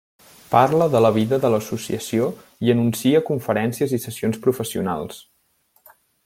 Parla de la vida de l'Associació i anuncia conferències i sessions professionals.